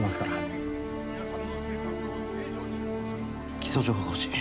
基礎情報がほしい。